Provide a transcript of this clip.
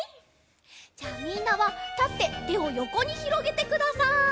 じゃあみんなはたっててをよこにひろげてください！